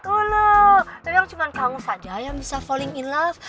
ulu yang cuma kamu saja yang bisa falling in love